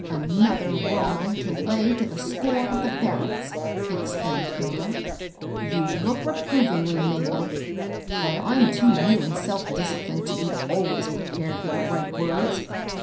" Another wrong to lay to the score of the Bar retts !" excAaimed ISM^a.. ^*' Y^^vi look reprov THE AID SPCIETY. 387 ingly, Mabel ; but I'm too new in self discipline to be always prepared with the right words.